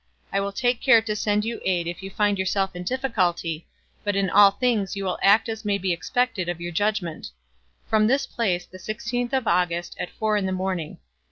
I will take care to send you aid if you find yourself in difficulty, but in all things you will act as may be expected of your judgment. From this place, the Sixteenth of August, at four in the morning.